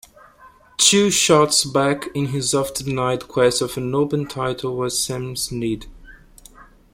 Two shots back in his oft-denied quest of an Open title was Sam Snead.